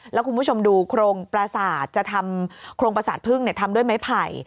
แล้วคุณผู้ชมดูโครงประสาทจะทำโครงประสาทพึ่งทำด้วยไม้ไผ่